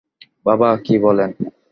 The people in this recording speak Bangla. বাবা, কী বলেন?